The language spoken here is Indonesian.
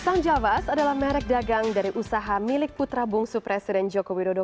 sang javas adalah merek dagang dari usaha milik putra bungsu presiden joko widodo